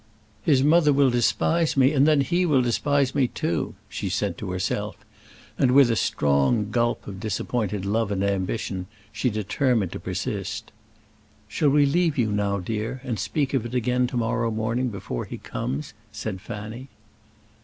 "His mother will despise me, and then he will despise me too," she said to herself; and with a strong gulp of disappointed love and ambition she determined to persist. "Shall we leave you now, dear; and speak of it again to morrow morning, before he comes?" said Fanny.